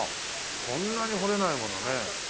そんなに掘れないものね。